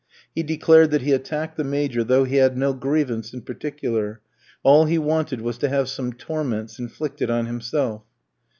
He declared that he attacked the Major though he had no grievance in particular; all he wanted was to have some torments inflicted on himself.